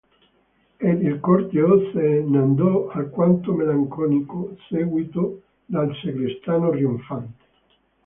Ed il corteo se n'andò alquanto melanconico, seguìto dal sagrestano trionfante.